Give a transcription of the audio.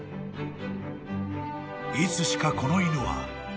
［いつしかこの犬は］